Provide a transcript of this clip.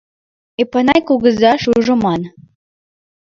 Эпанай кугыза, шужо, ман.